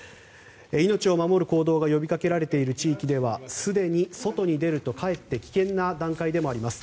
命を守る行動が呼びかけられている地域ではすでに外に出ると、かえって危険な段階でもあります。